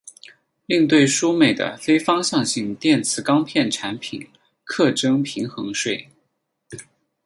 另对输美的非方向性电磁钢片产品课征平衡税。